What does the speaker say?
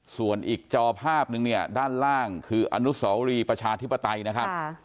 ส่วนอีกจอภาพนึงเนี่ยด้านล่างคืออนุสวรีประชาธิปไตยนะครับ